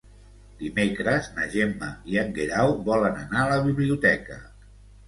Dimecres na Gemma i en Guerau volen anar a la biblioteca.